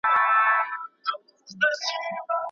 محصلین د تعلیم له لارې د هضم او فکر کولو مهارتونه ترلاسه کوي.